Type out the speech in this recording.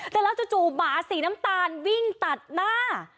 แต่แล้วจู่หมาสีน้ำตาลวิ่งตัดหน้า